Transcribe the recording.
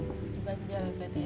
di banjel berarti ya